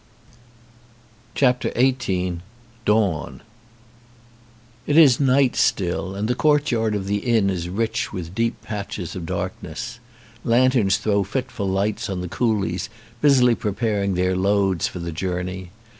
69 XVIII DAWN IT is night still and the courtyard of the inn is rich with deep patches of darkness. Lanterns throw fitful lights on the coolies busily preparing their loads for the journey.